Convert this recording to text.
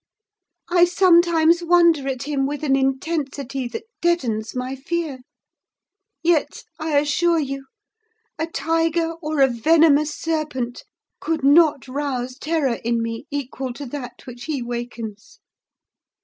I sometimes wonder at him with an intensity that deadens my fear: yet, I assure you, a tiger or a venomous serpent could not rouse terror in me equal to that which he wakens.